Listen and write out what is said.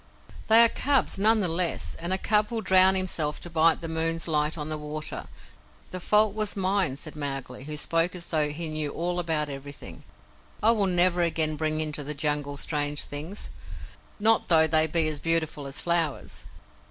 "They are cubs none the less; and a cub will drown himself to bite the moon's light on the water. The fault was mine," said Mowgli, who spoke as though he knew all about everything. "I will never again bring into the Jungle strange things not though they be as beautiful as flowers.